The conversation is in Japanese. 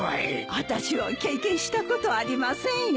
私は経験したことありませんよ。